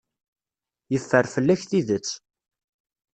Yeffer fell-ak tidet.